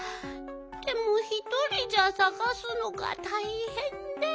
でもひとりじゃさがすのがたいへんで。